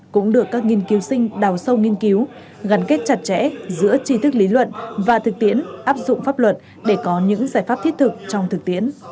cũng được các nghiên cứu sinh đào sâu nghiên cứu gắn kết chặt chẽ giữa trí thức lý luận và thực tiễn áp dụng pháp luật để có những giải pháp thiết thực trong thực tiễn